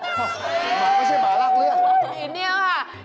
หมาก็ใช่หมารากเลือด